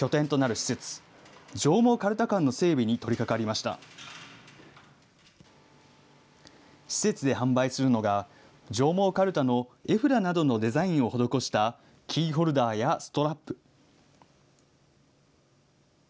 施設で販売するのが、上毛かるたの絵札などのデザインを施したキーホルダーやストラップ。